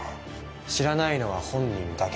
知らないのは本人だけ。